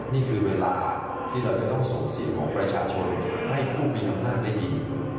นี่คือเวลาที่เราจะต้องส่งเสียงของประชาชนให้ผู้มีอำนาจได้ยิน